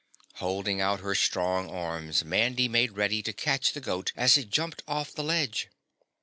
Holding out her strong arms, Mandy made ready to catch the goat as it jumped off the ledge.